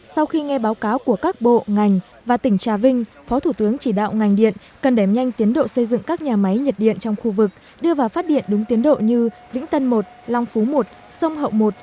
sau khi nghe báo cáo của các bộ ngành và tỉnh trà vinh phó thủ tướng chỉ đạo ngành điện cần đẩy nhanh tiến độ xây dựng các nhà máy nhiệt điện trong khu vực đưa vào phát điện đúng tiến độ như vĩnh tân một long phú một sông hậu một